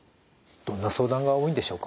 どんな相談が多いんでしょうか？